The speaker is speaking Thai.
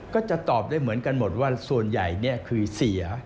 ก็จะตอบได้เหมือนกันหมดว่าส่วนใหญ่คือเสีย